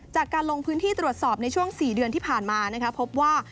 จากการลงพื้นที่ตรวจสอบในช่วง๔เดือนที่ผ่านมาพบว่า